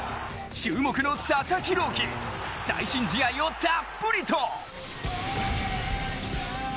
注目の佐々木朗希最新試合をたっぷりと。